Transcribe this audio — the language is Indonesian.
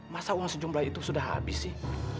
masa uang sejumlah itu sudah habis sih